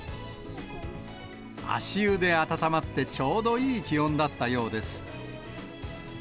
足湯で温まってちょうどいい気温だったようです。